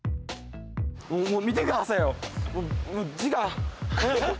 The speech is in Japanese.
もう見て下さいよ！